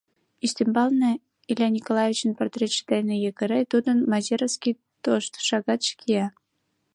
Ӱстембалне, Илья Николаевичын портретше дене йыгыре, тудын мозеровский тошто шагатше кия.